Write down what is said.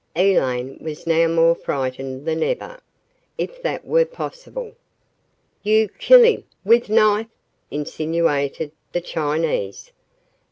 Elaine was now more frightened than ever, if that were possible. "You kill him with knife?" insinuated the Chinese.